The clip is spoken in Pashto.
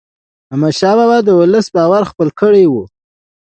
احمدشاه بابا د ولس باور خپل کړی و.